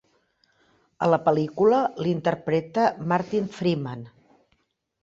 A la pel·lícula l'interpreta Martin Freeman.